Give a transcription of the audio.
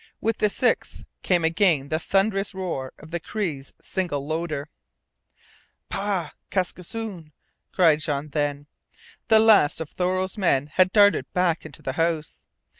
With the sixth came again the thunderous roar of the Cree's single loader. "Pa, Kaskisoon!" cried Jean then. The last of Thoreau's men had darted back into the house.